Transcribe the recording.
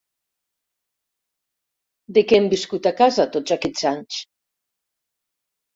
De què hem viscut a casa tots aquests anys?